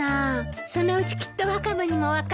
そのうちきっとワカメにも分かるわよ。